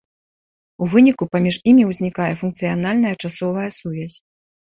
У выніку паміж імі ўзнікае функцыянальная часовая сувязь.